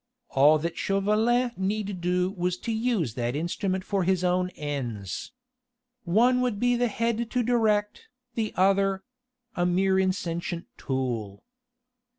All that Chauvelin need do was to use that instrument for his own ends. One would be the head to direct, the other a mere insentient tool.